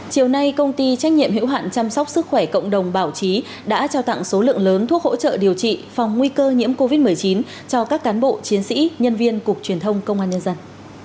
chiều nay công ty trách nhiệm hữu hạn chăm sóc sức khỏe cộng đồng bảo trí đã trao tặng số lượng lớn thuốc hỗ trợ điều trị phòng nguy cơ nhiễm covid một mươi chín cho các cán bộ chiến sĩ nhân viên cục truyền thông công an nhân dân